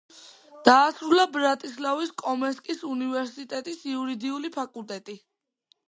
დაასრულა ბრატისლავის კომენსკის უნივერსიტეტის იურიდიული ფაკულტეტი.